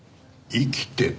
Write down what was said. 生きてた？